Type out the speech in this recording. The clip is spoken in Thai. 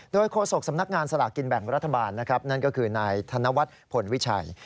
โดยโฆษกสำนักงานสลากกินแบ่งรัฐบาลนะครับนั่นก็คือนายธนวัฒน์พลวิชัย